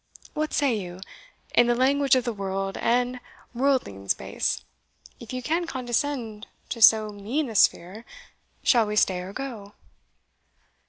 What say you? in the language of the world and worldlings base, if you can condescend to so mean a sphere, shall we stay or go?"